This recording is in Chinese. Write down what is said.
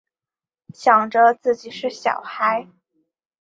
想着自己是小孩